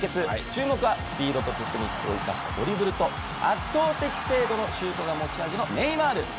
注目はスピードとテクニックを生かしたドリブルと圧倒的精度のシュートが持ち味のネイマール！